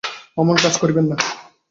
অমন কাজ করিবেন না।